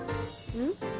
うん？